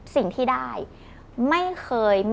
สุดท้าย